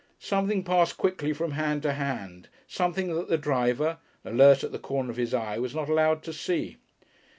Something passed quickly from hand to hand, something that the driver, alert at the corner of his eye, was not allowed to see.